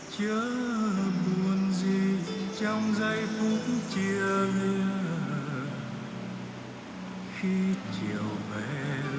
trước buồn gì trong giây phút trưa khi chiều về lùng vãi